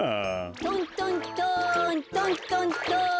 トントントントントントン。